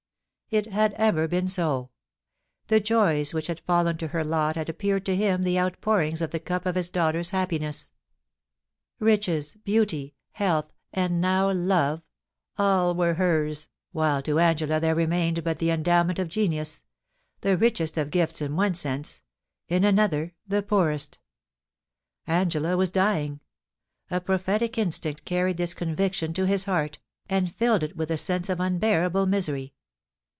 It had ever been so. The jojrs which had fallen to her lot had app)eared to him the outpourings of the cup of his daughter's happiness. Riches, beauty, health, and now love * A T THE CENTRE OF PEA CE: 303 — all were hers, while to Angela there remained but the endowment of genius — the richest of gifts in one sense, in another the poorest Angela was dying ! A prophetic instinct carried this con viction to his heart, and filled it with a sense of unbearable misery.